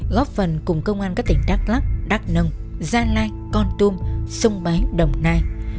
góp phần cùng công an các tỉnh đắk lắk đắk nông gia lai con tum sông báy đồng nai